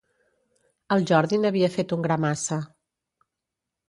El Jordi n'havia fet un gra massa.